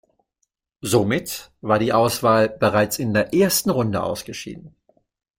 Somit war die Auswahl bereits in der ersten Runde ausgeschieden.